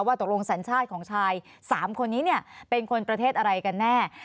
ตกลงสัญชาติของชาย๓คนนี้เป็นคนประเทศอะไรกันแน่